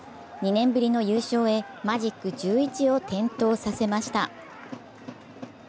２年ぶりの優勝へマジック１１を点灯させました。